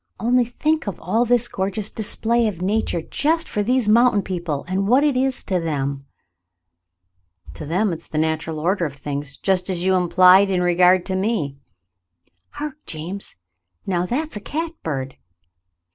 Only think of all this gorgeous display of nature just for these mountain people, and what is it to them ?" "To them it's the natural order of things, just as you ^ implied in regard to me." "Hark, James. Now, that's a catbird!"